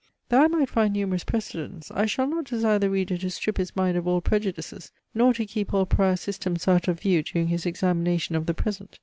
Though I might find numerous precedents, I shall not desire the reader to strip his mind of all prejudices, nor to keep all prior systems out of view during his examination of the present.